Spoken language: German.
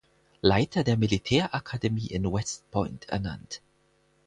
Leiter der Militärakademie in West Point ernannt.